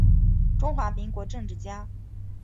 中华民国政治家。